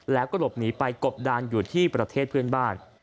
แล้วก็หลบหนีไปกบดานอยู่ที่ประเทศเพื่อนบ้าน